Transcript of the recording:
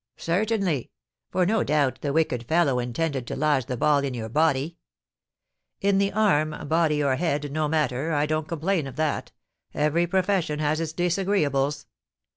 "Certainly; for, no doubt, the wicked fellow intended to lodge the ball in your body." "In the arm, body, or head, no matter, I don't complain of that; every profession has its disagreeables."